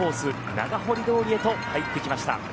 長堀通へと入ってきました。